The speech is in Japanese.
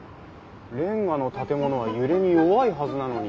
れんがの建物は揺れに弱いはずなのに。